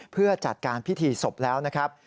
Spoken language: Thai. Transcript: เพื่อจัดการพิธีศพแล้วนะครับ